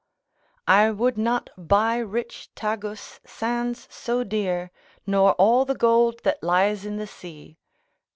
["I would not buy rich Tagus sands so dear, nor all the gold that lies in the sea."